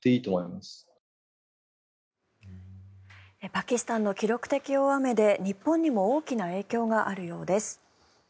パキスタンの記録的大雨で日本にも大きな影響があるようです。